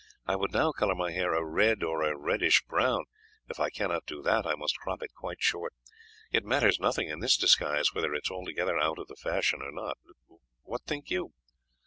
I would now colour my hair a red or a reddish brown; if I cannot do that I must crop it quite short. It matters nothing in this disguise whether it is altogether out of the fashion or not. What think you?"